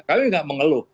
kami tidak mengeluh